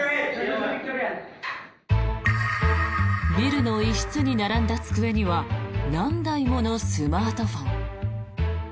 ビルの一室に並んだ机には何台ものスマートフォン。